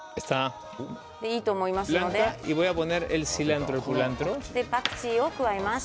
いいと思いますのでパクチーを加えます。